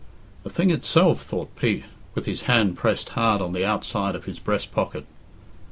"The thing itself," thought Pete, with his hand pressed hard on the outside of his breast pocket.